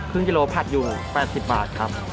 กิโลผัดอยู่๘๐บาทครับ